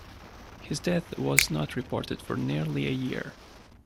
His death was not reported for nearly a year.